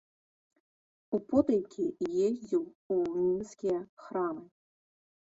Употайкі ездзіў у мінскія храмы.